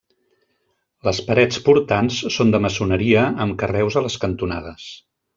Les parets portants són de maçoneria amb carreus a les cantonades.